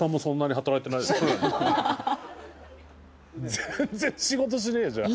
全然仕事しねえじゃん。